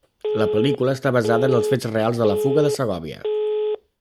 La pel·lícula està basada en els fets reals de la fuga de Segòvia.